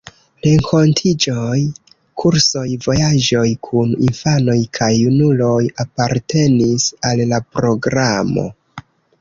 Renkontiĝoj, kursoj, vojaĝoj kun infanoj kaj junuloj apartenis al la programo.